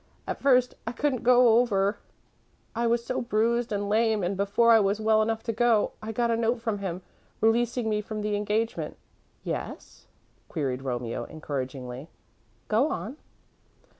At first I couldn't go over I was so bruised and lame and before I was well enough to go, I got a note from him, releasing me from the engagement." "Yes?" queried Romeo, encouragingly. "Go on."